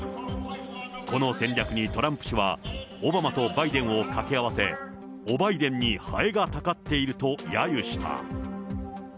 この戦略にトランプ氏は、オバマとバイデンを掛け合わせ、オバイデンにハエがたかっているとやゆした。